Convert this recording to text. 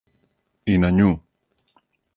И на њу.